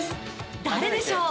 誰でしょう？